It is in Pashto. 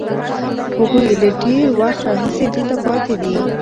هغوی له ډېر وخت راهیسې دلته پاتې دي.